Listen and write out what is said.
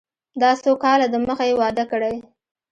دا څو کاله د مخه يې واده کړى.